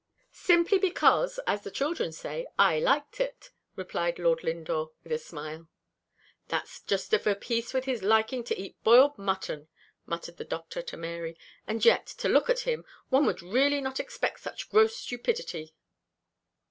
"Simply because, as the children say, I liked it," replied Lord Lindore, with a smile. "That's just of a piece with his liking to eat boiled mutton," muttered the Doctor to Mary; "and yet, to look at him, one would really not expect such gross stupidity."